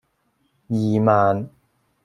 二萬